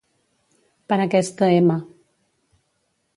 Per aquesta m